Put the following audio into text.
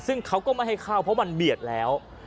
ซึ่งเขาก็ไม่ให้เข้าเพราะมันเบียดแล้ว